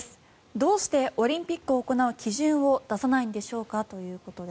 どうしてオリンピックを行う基準を出さないんでしょうかということです。